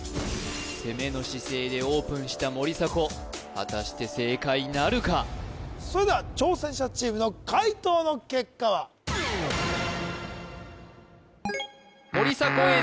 攻めの姿勢でオープンした森迫果たして正解なるかそれでは挑戦者チームの解答の結果は森迫永依